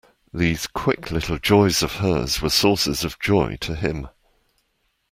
These quick little joys of hers were sources of joy to him.